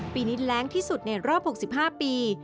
ปีนี้แรงที่สุดในรอบ๖๕ปี